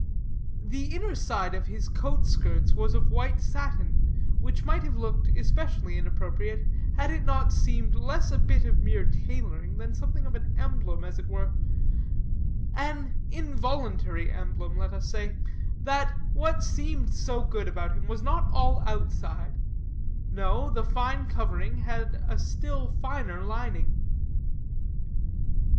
The inner side of his coat skirts was of white satin, which might have looked especially inappropriate, had it not seemed less a bit of mere tailoring than something of an emblem, as it were; an involuntary emblem, let us say, that what seemed so good about him was not all outside; no, the fine covering had a still finer lining.